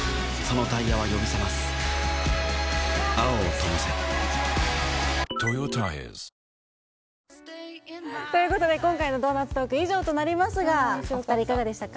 急にそんなことをということで今回の「ドーナツトーク」以上となりますがお二人いかがでしたか？